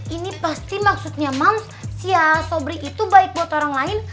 ini pasti maksudnya mams si ah sobri itu baik buat orang lain